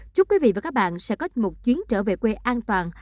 chúc quý vị và các bạn sẽ có một chuyến trở về quê an toàn